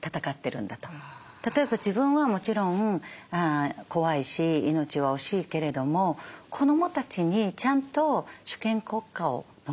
例えば自分はもちろん怖いし命は惜しいけれども子どもたちにちゃんと主権国家を残したい。